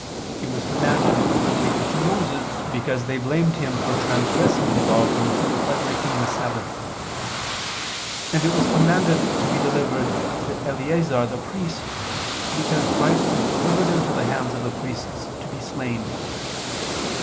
It was commanded to be taken to Moses, because they blamed Him for transgressing the law of Moses by breaking the Sabbath. And it was commanded to be delivered "to Eleazar the priest," because Christ was delivered into the hands of the priests to be slain.